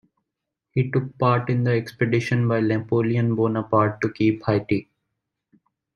He took part in the expedition by Napoleon Bonaparte to keep Haiti.